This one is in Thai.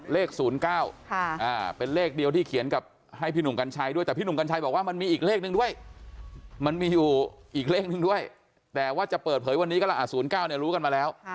เลข๐๙เป็นเลขเดียวที่เขียนกับให้พี่หนุ่มกัญชัยด้วยแต่พี่หนุ่มกัญชัยบอกว่ามันมีอีกเลขนึงด้วยมันมีอยู่อีกเลขหนึ่งด้วยแต่ว่าจะเปิดเผยวันนี้ก็ละ๐๙เนี่ยรู้กันมาแล้ว